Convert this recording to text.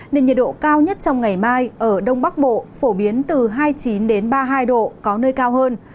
nên nhiệt độ cao nhất trong ngày mai ở đông bắc bộ phổ biến từ hai mươi chín ba mươi hai độ có nơi cao hơn